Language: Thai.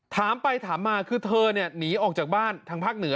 ถามไปถามมาคือเธอเนี่ยหนีออกจากบ้านทางภาคเหนือ